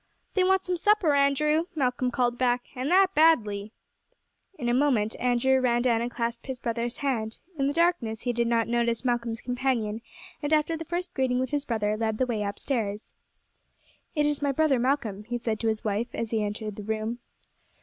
"They want some supper, Andrew," Malcolm called back, "and that badly." In a moment Andrew ran down and clasped his brother's hand. In the darkness he did not notice Malcolm's companion, and after the first greeting with his brother led the way up stairs. "It is my brother Malcolm," he said to his wife as he entered the room.